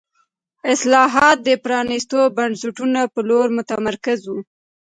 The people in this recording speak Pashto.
اصلاحات د پرانیستو بنسټونو په لور متمرکز وو.